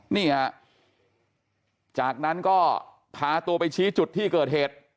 นี่ฮะจากนั้นก็พาตัวไปชี้จุดที่เกิดเหตุ